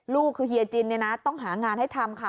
ลูกคือเฮียจินเนี่ยนะต้องหางานให้ทำค่ะ